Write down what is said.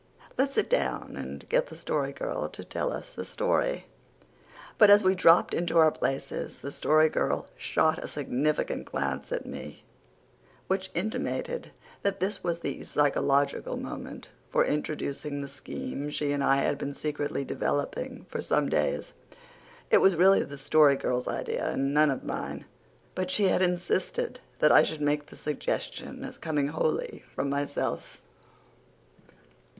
"Let's sit down and get the Story Girl to tell us a story." But as we dropped into our places the Story Girl shot a significant glance at me which intimated that this was the psychological moment for introducing the scheme she and I had been secretly developing for some days. It was really the Story Girl's idea and none of mine. But she had insisted that I should make the suggestion as coming wholly from myself.